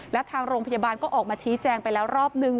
และทางโรงพยาบาลก็ออกมาชี้แจงไปแล้วรอบนึง